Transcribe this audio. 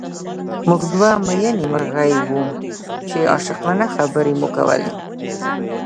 موږ دوه مئینې مرغۍ وو چې عاشقانه خبرې مو کولې